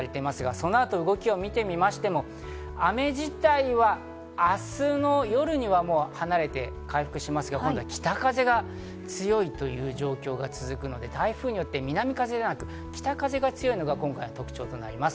その後の動きを見ても雨自体は明日の夜には、もう離れて回復しますが、今度は北風が強いという状況が続くので、台風によって南風ではなく、北風が強いのが今回の特徴です。